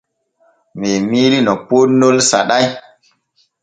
Men miilii no poonnol saɗay.